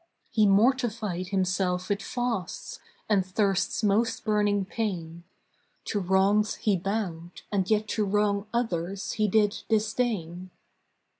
He mortified himself with fasts, And thirst's most burning pain; To wrongs he bowed, and yet to wrong Others he did disdain.